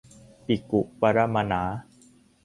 บิกูปะระมาหนา